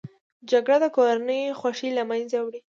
جګړه د کورنۍ خوښۍ له منځه وړي